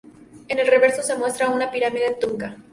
En el reverso se muestra una pirámide trunca.